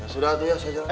sudah tuh ya saya jalan